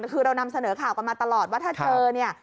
คือเรานำเสนอข่าวกันมาตลอดว่าถ้าเจอเนี่ย